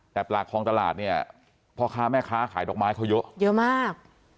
แต่ปากคลองตลาดเนี่ยพ่อค้าแม่ค้าขายดอกไม้เขาเยอะเยอะมาก